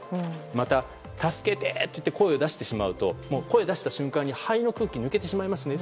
また、助けて！と声を出してしまうと声を出した瞬間に肺の空気が抜けてしまいますよね。